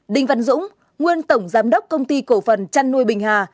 một đinh vân dũng nguyên tổng giám đốc công ty cổ phần trăn nuôi bình hà